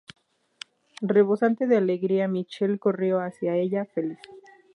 Rebosante de alegría, Michelle corrió hacia ella, feliz.